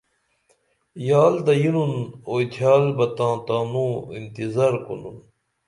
یال تہ یینُن اوئی تھیال بہ تاں تانوں انتظار کونُن